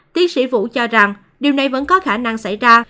tiến sĩ vũ cho rằng điều này vẫn có khả năng xảy ra